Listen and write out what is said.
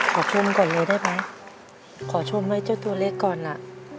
ขอชมก่อนเลยได้ไหมขอชมให้เจ้าตัวเล็กก่อนล่ะ